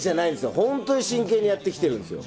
本当に真剣にやってきてるんですよ。